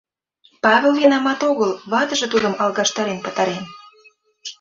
Павыл винамат огыл, ватыже тудым алгаштарен пытарен...